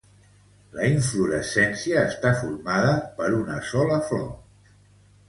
La inflorescència està formada per una sola flor.